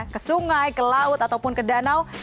ke sungai ke laut ataupun ke danau